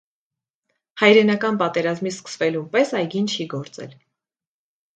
Հայրենական պատերազմի սկսվելուն պես այգին չի գործել։